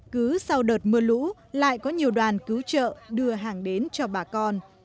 cứ sau đợt mưa lũ lại có nhiều đoàn cứu trợ đưa hàng đến cho bà con